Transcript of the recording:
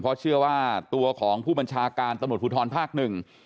เพราะเชื่อว่าตัวของผู้บัญชาการตำรวจภูทรภาคหนึ่ง